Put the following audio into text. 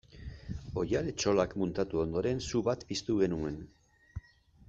Oihal-etxolak muntatu ondoren su bat piztu genuen.